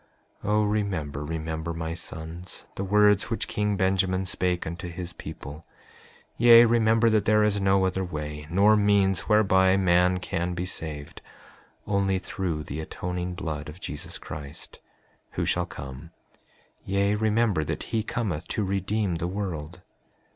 5:9 O remember, remember, my sons, the words which king Benjamin spake unto his people; yea, remember that there is no other way nor means whereby man can be saved, only through the atoning blood of Jesus Christ, who shall come, yea, remember that he cometh to redeem the world.